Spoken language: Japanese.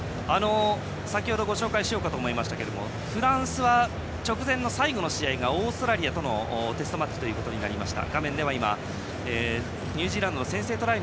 先程ご紹介しかけましたがフランスは、直前の最後の試合がオーストラリアとのテストマッチとなりました。